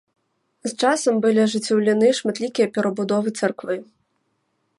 З часам былі ажыццёўлены шматлікія перабудовы царквы.